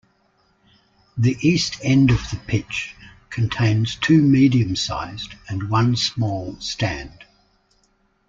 The east end of the pitch contains two medium-sized and one small stand.